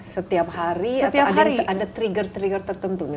setiap hari atau ada trigger trigger tertentu misalnya